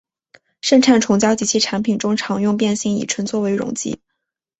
生产虫胶及其产品中常用变性乙醇作为溶剂。